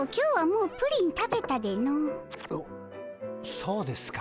そうですか？